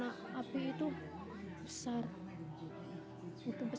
saya berusaha keluar karena api itu besar